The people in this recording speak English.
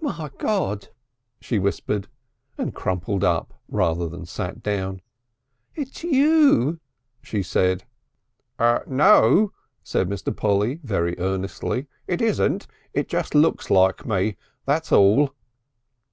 "My God!" she whispered, and crumpled up rather than sat down. "It's you" she said. "No," said Mr. Polly very earnestly. "It isn't. It just looks like me. That's all."